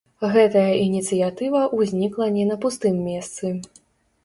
Гэтая ініцыятыва ўзнікла не на пустым месцы.